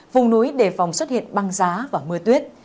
vùng núi đề phòng xuất hiện băng giá và mưa tuyết